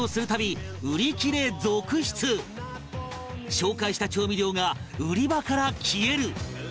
紹介した調味料が売り場から消える